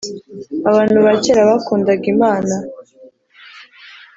Abantu bakera bakundaga imana.